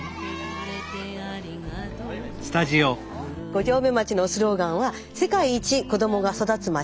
五城目町のスローガンは「世界一子どもが育つまち」。